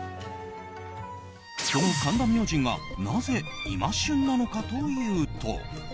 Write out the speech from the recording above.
その神田明神がなぜ今旬なのかというと。